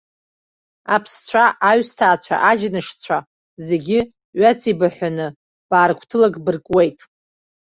Аԥсцәа, аҩсҭаацәа, аџьнышцәа зегьы ҩаҵибаҳәаны бааргәҭылак быркуеит.